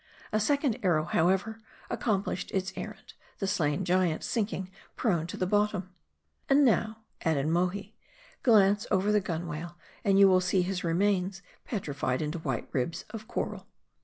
A second arrow, however > Accomplished its er rand : the slain giant sinking prone ~to the bottom." "And now," added Mohi, "glance over the gunwale, and you will see his remains petrified into white ribs of coral."